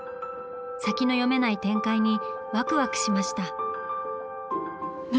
先の読めない展開にワクワクしました。